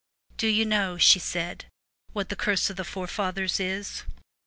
' Do you know,' she said, 'what the curse of the Four Fathers is?